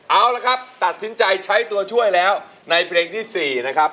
เอาละครับตัดสินใจใช้ตัวช่วยแล้วในเพลงที่๔นะครับ